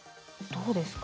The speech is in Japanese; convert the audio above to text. どうですか？